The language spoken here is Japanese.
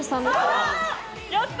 やった！